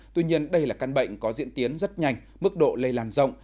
tuy nhiên đây là căn bệnh có diễn tiến rất nhanh mức độ lây lan rộng